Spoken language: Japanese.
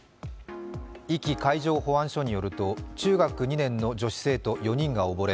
壱岐海上保安署によると、中学２年の女子生徒４人が溺れ